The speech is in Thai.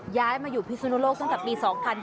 ย้ายมาอยู่พิศนุโลกตั้งแต่ปี๒๕๕๙